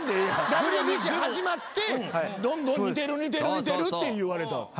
ＷＢＣ始まってどんどん似てる似てるって言われた。